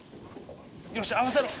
よし合わせろ！